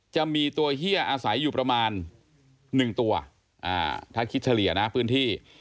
จะมีตัวเฮียอาศัยอยู่ประมาณ๑ตัวถ้าคิดเฉลี่ยนะพื้นที่